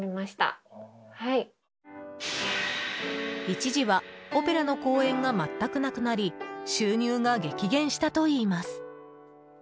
一時はオペラの公演が全くなくなり収入が激減したといいます。